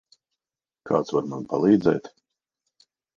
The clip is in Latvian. Kāds var man palīdzēt?